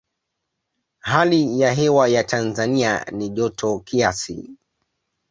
hali ya hewa ya tanzania ni joto kiasi